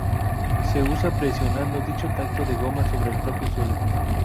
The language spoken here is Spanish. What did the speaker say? Se usa presionando dicho taco de goma sobre el propio suelo.